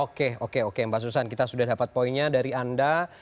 oke oke oke mbak susan kita sudah dapat poinnya dari anda